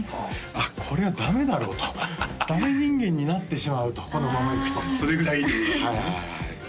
あっこれはダメだろうとダメ人間になってしまうとこのままいくとそれぐらいいいってことですね